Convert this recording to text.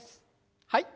はい。